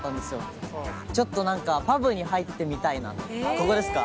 ここですか？